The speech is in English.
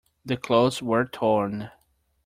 The clothes were torn.